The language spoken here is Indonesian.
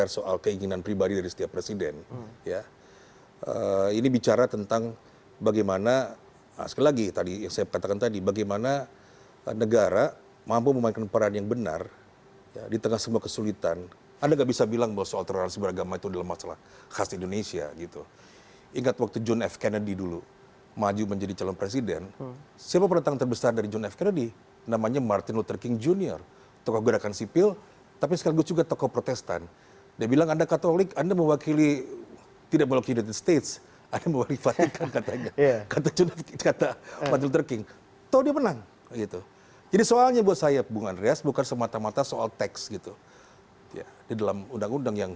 saya akan mengomentari setuju saja tapi usai saja dah